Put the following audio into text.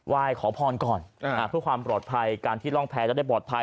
ยขอพรก่อนเพื่อความปลอดภัยการที่ร่องแพ้แล้วได้ปลอดภัย